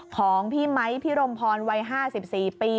ของพี่ไมค์พี่รมพรวัย๕๔ปี